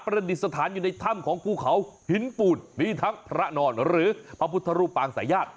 ดิษฐานอยู่ในถ้ำของภูเขาหินปูดมีทั้งพระนอนหรือพระพุทธรูปปางสายญาติ